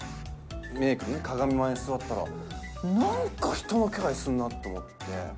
メーク、鏡前座ったら、なんか人の気配するなと思って。